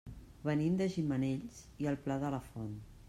Venim de Gimenells i el Pla de la Font.